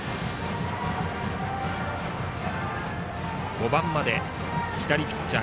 ５番まで左ピッチャー